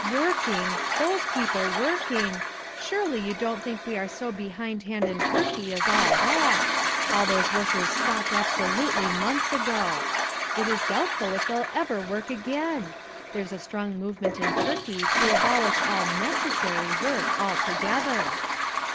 Working! those people working! Surely you don't think we are so behind hand in Turkey as all that! All those worker's stopped absolutely months ago. It is doubtful if they'll ever work again. There's a strong movement in Turkey to abolish all NECESSARY work altogether."